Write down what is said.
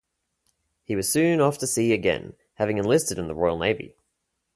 He was soon off to sea again, having enlisted in the Royal Navy.